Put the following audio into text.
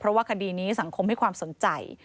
เพราะว่าคดีนี้สังคมให้ความสนใจ